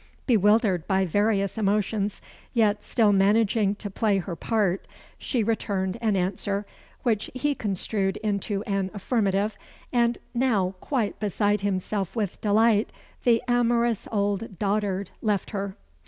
Bewildered by various emotions, yet still managing to play her part, she returned an answer, which he construed into an affirmative; and now quite beside himself with delight, the amorous old dotard left her.